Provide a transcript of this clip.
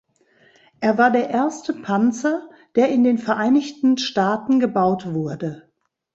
Er war der erste Panzer, der in den Vereinigten Staaten gebaut wurde.